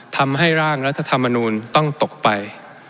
ทำให้ร่างรัฐธรรมนูลต้องตกไป